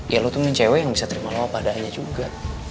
ya lo tuh mencari cewek yang bisa terima lo apa adanya juga